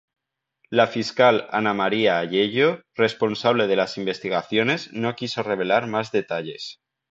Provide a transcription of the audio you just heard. La fiscal Ana Maria Aiello, responsable de las investigaciones, no quiso revelar más detalles.